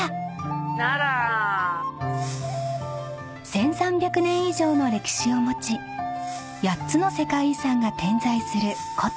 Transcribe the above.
［１，３００年以上の歴史を持ち８つの世界遺産が点在する古都］